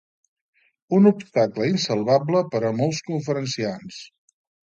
Un obstacle insalvable per a molts conferenciants.